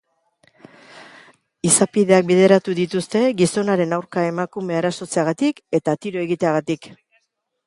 Izapideak bideratu dituzte gizonaren aurka emakumea erasotzeagatik eta tiro egiteagatik.